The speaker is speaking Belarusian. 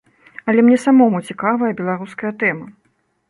Але мне самому цікавая беларуская тэма.